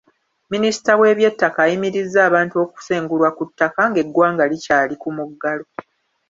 Minisita w'ebyettaka ayimirizza abantu okusengulwa ku ttaka ng'eggwanga likyali ku muggalo.